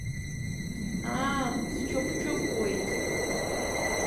Аа, счыхә-чыхәуеит.